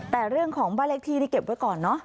แต่เรื่องของบ้านเลขที่ที่เก็บไว้ก่อนเนอะ